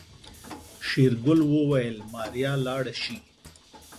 شېرګل وويل ماريا لاړه شي.